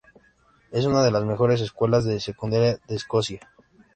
Es una de las mejores escuelas de secundaria de Escocia.